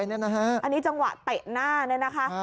อันนี้จังหวะเตะหน้าเนี่ยนะคะ